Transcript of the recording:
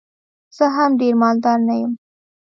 زه هم ډېر مالدار نه یم.